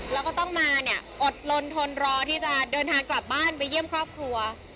แล้วก็ต้องมาเนี่ยอดลนทนรอที่จะเดินทางกลับบ้านไปเยี่ยมครอบครัว